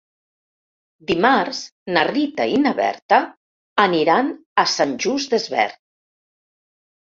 Dimarts na Rita i na Berta aniran a Sant Just Desvern.